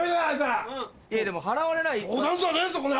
でも払われないと。